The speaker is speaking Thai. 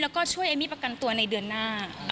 แล้วก็ช่วยเอมมี่ประกันตัวในเดือนหน้า